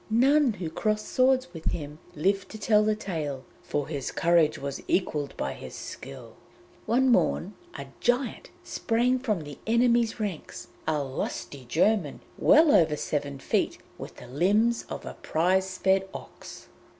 None who crossed swords with him lived to tell the tale, for his courage was equalled by his skill. One morn a giant sprang from the enemy's ranks a lusty German, well over seven feet, with the limbs of a prize fed ox.